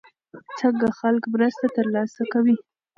څنګه خلک مرسته ترلاسه کوي؟